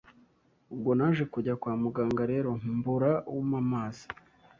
Ubwo naje kujya kwa muganga rero mbura ump amazi